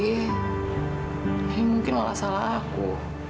ini mungkin malah salah aku